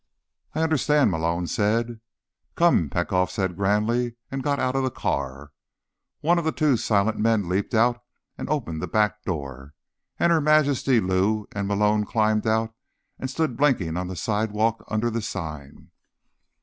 "I understand," Malone said. "Come," Petkoff said grandly, and got out of the car. One of the two silent men leaped out and opened the back door, and Her Majesty, Lou and Malone climbed out and stood blinking on the sidewalk under the sign.